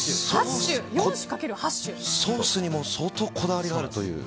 ソースにも相当こだわりがあるという。